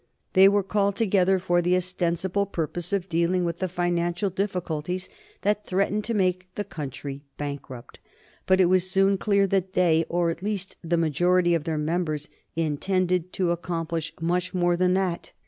They were called together for the ostensible purpose of dealing with the financial difficulties that threatened to make the country bankrupt. But it was soon clear that they, or at least the majority of their members, intended to accomplish much more than that.